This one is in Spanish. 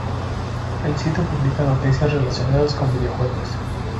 El sitio publica noticias relacionadas con los videojuegos.